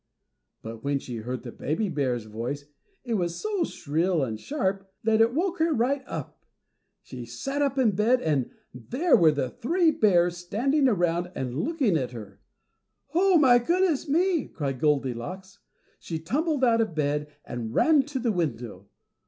But when she heard the baby bear's voice it was so shrill and sharp that it woke her right up. She sat up in bed and there were the three bears standing around and looking at her. "Oh, my goodness me!" cried Goldilocks. She tumbled out of bed and ran to the window.